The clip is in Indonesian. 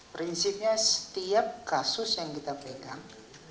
prinsipnya setiap kasus yang kita pegang